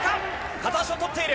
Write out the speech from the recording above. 片足をとっている。